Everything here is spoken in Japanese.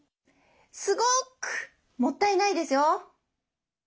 すごくもったいないですよ。